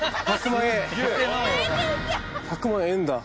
１００万円だ。